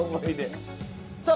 さあ